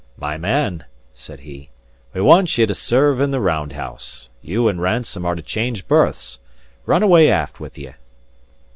"My man," said he, "we want ye to serve in the round house. You and Ransome are to change berths. Run away aft with ye."